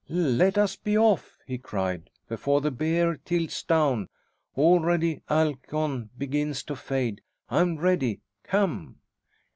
"Let us be off!" he cried, "before the Bear tilts down. Already Alcyone begins to fade. I'm ready. Come!"